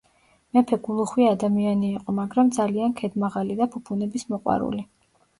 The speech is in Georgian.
მეფე გულუხვი ადამიანი იყო, მაგრამ ძალიან ქედმაღალი და ფუფუნების მოყვარული.